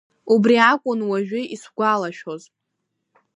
Убри акәын уажәы исгәалашәоз.